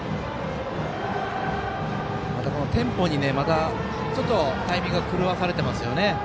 またテンポにタイミングを狂わされてますよね。